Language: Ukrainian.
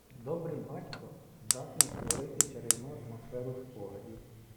Добрий батько здатний створити чарівну атмосферу спогадів.